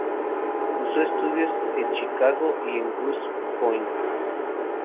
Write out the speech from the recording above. Cursó estudios en Chicago y en Grosse Pointe.